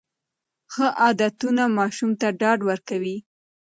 ښه عادتونه ماشوم ته ډاډ ورکوي.